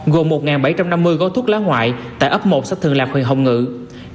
gồm một bảy trăm năm mươi bao thuốc lá ngoại tại ấp một sách thường lạc huyện hồng ngưỡng